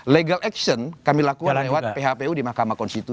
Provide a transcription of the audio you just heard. legal action kami lakukan lewat phpu di mahkamah konstitusi